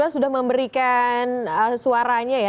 sudah memberikan suaranya ya